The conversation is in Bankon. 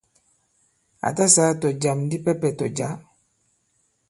À ta sāā tɔ̀jam dipɛpɛ tɔ̀ jǎ.